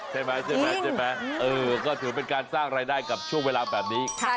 ใช่ไหมใช่ไหมเออก็ถือเป็นการสร้างรายได้กับช่วงเวลาแบบนี้